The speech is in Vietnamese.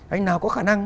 anh nào có khả năng